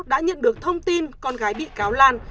đã nhận được thông tin con gái bị cáo lan